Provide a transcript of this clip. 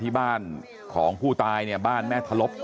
ชาวบ้านในพื้นที่บอกว่าปกติผู้ตายเขาก็อยู่กับสามีแล้วก็ลูกสองคนนะฮะ